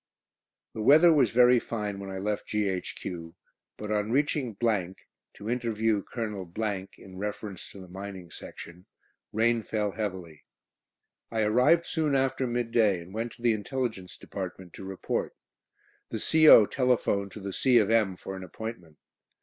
The weather was very fine when I left G.H.Q., but on reaching , to interview Colonel in reference to the mining section, rain fell heavily. I arrived soon after midday, and went to the Intelligence Department to report; the C.O. telephoned to the C. of M. for an appointment.